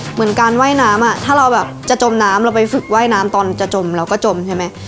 เหมือนการว่ายน้ำอ่ะถ้าเราแบบจะจมน้ำเราไปฝึกว่ายน้ำตอนจะจมเราก็จมใช่ไหม